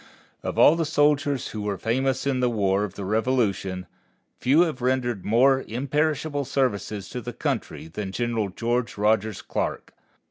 Of all the soldiers who were famous in the War of the Revolution, few have rendered more imperishable services to the country than General George Rogers Clark.